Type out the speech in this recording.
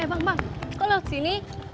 eh bang bang kok lo kesini